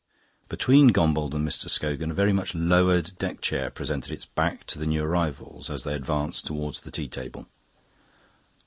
Between Gombauld and Mr. Scogan a very much lowered deck chair presented its back to the new arrivals as they advanced towards the tea table.